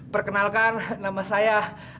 perkenalkan nama saya